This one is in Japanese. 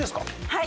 はい。